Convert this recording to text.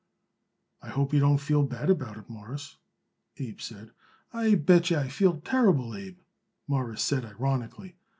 "I hope you don't feel bad about it, Mawruss," Abe said. "I bet yer I feel terrible, Abe," Morris said ironically.